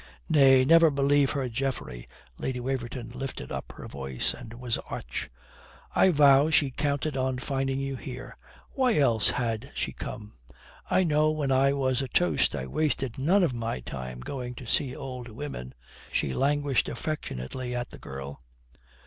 "Nay, never believe her, Geoffrey," Lady Waverton lifted up her voice and was arch. "I vow she counted on finding you here. Why else had she come? I know when I was a toast I wasted none of my time going to see old women," she languished affectionately at the girl.